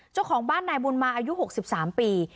เจ้าของบ้านนายบุญมาอายุ๖๓ปี